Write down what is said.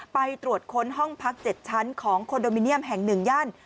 ไปตรวจค้นห้องพัก๗ชั้นของคอนโดมิเนียมแห่ง๑ย่าน